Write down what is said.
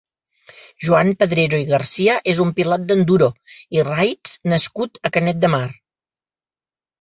Joan Pedrero i Garcia és un pilot d'enduro i raids nascut a Canet de Mar.